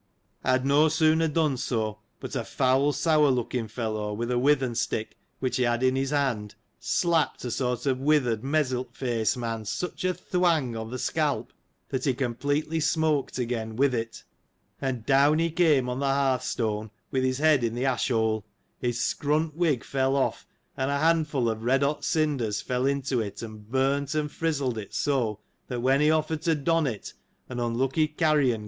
I had no sooner done so, but a foul sour looking fellow, with a withen stick, which he had in his hand, slapped a sort of a withered, mezzilt face^ man such a thwang o' th' scalp, that he completely smoked again, with it ! and down he came on the hearth stone, with his head in the ash hole : his scrunt wig fell off, and a handful of red hot cinders fell into it, and burnt and frizzled it so, that when he offered to don it, an unlucky carrion?